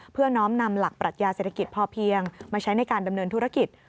น้อมนำหลักปรัชญาเศรษฐกิจพอเพียงมาใช้ในการดำเนินธุรกิจ